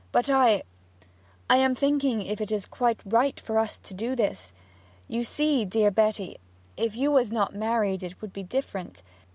'But I I am thinking if it is quite right for us to do this. You see, dear Betty, if you was not married it would be different.